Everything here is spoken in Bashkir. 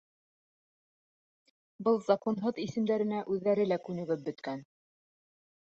Был законһыҙ исемдәренә үҙҙәре лә күнегеп бөткән.